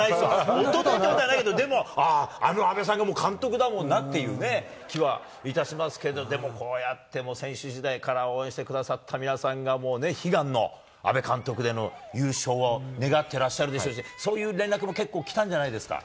おとといということはないけれども、でも、あの阿部さんがもう監督だもんなっていう気はいたしますけれども、でも、こうやってもう選手時代から応援してくださった皆さんがもうね、悲願の阿部監督での優勝を願ってらっしゃるでしょうし、そういう連絡も結構来たんじゃないですか？